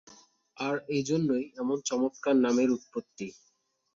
আর এজন্যই এমন চমৎকার নামের উৎপত্তি।